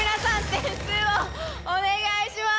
点数をお願いします。